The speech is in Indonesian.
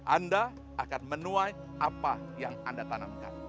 anda akan menuai apa yang anda tanamkan